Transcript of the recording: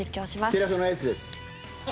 テレ朝のエースです。